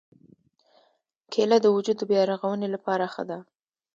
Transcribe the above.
کېله د وجود د بیا رغونې لپاره ښه ده.